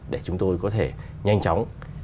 để chúng tôi có thể nhanh chóng